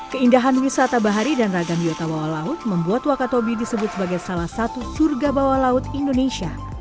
keindahan wisata bahari dan ragam biota bawah laut membuat wakatobi disebut sebagai salah satu surga bawah laut indonesia